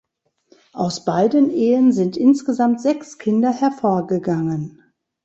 Aus beiden Ehen sind insgesamt sechs Kinder hervorgegangen.